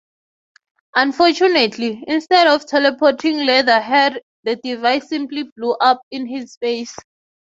Unfortunately, instead of teleporting Leatherhead, the device simply blew up in his face.